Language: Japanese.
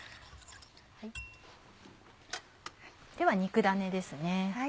では肉だねですね。